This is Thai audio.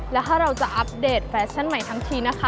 แล้วถ้าเราจะอัปเดตแฟชั่นใหม่ทั้งทีนะคะ